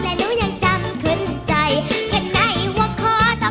เพื่อดังตึงตัวนั้นนะจ๊ะนะจ๊ะ